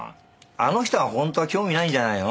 あの人はホントは興味ないんじゃないの？